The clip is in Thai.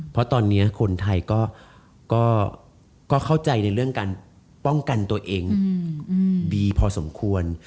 เพราะตอนนี้คนไทยก็เข้าใจในเรื่องการป้องกันตัวเองดีพอสมควร